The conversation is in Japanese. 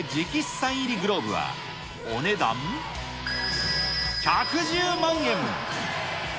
サイン入りグローブはお値段１１０万円。